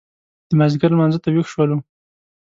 د مازیګر لمانځه ته وېښ شولو.